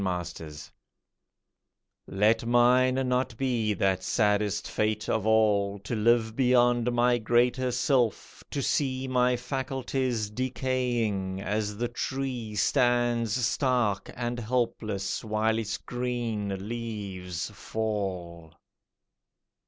USELESSNESS Let mine not be that saddest fate of all To live beyond my greater self; to see My faculties decaying, as the tree Stands stark and helpless while its green leaves fall.